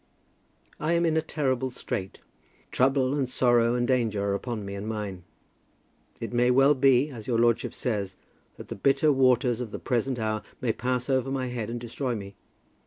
I am in a terrible strait. Trouble, and sorrow, and danger are upon me and mine. It may well be, as your lordship says, that the bitter waters of the present hour may pass over my head and destroy me.